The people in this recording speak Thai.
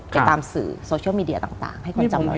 ไปตามสื่อโซเชียลมีเดียต่างให้คนจำไว้